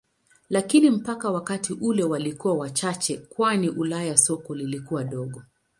Lakini mpaka wakati ule walikuwa wachache kwani Ulaya soko lilikuwa dogo.